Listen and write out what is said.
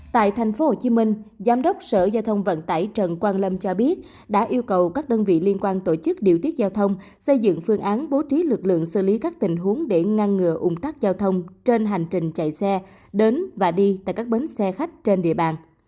tại tp hcm giám đốc sở giao thông vận tải trần quang lâm cho biết đã yêu cầu các đơn vị liên quan tổ chức điều tiết giao thông xây dựng phương án bố trí lực lượng xử lý các tình huống để ngăn ngừa ung tắc giao thông trên hành trình chạy xe đến và đi tại các bến xe khách trên địa bàn